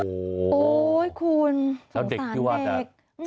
โอ้ยคุณสงสันเด็ก